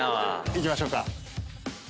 いきましょうか。